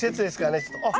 あっ。